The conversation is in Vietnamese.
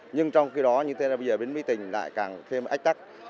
nhưng trong khi đó như thế này bây giờ bến mỹ đình lại càng thêm ách tắc